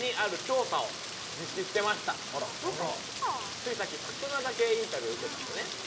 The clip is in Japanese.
ついさっき忽那だけインタビューを受けたんだよね。